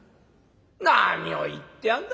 「何を言ってやんだ